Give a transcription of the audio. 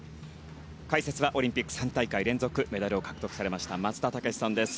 解説はオリンピック３大会連続メダルを獲得されました松田丈志さんです。